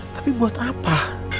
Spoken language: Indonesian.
tapi buat apa